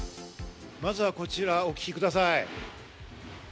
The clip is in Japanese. まずはこちらをお聞きください。